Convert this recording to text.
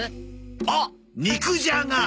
あっ肉じゃが！